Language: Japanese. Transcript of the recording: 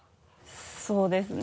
そうですね。